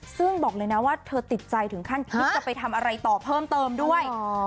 ซึ่งบอกเลยนะว่าเธอติดใจถึงขั้นคิดจะไปทำอะไรต่อเพิ่มเติมด้วย